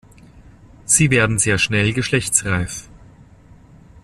Sie werden sehr schnell geschlechtsreif.